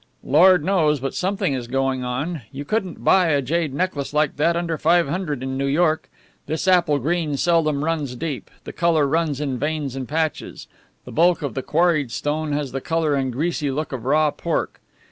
"Lord knows, but something is going on. You couldn't buy a jade necklace like that under five hundred in New York. This apple green seldom runs deep; the colour runs in veins and patches. The bulk of the quarried stone has the colour and greasy look of raw pork.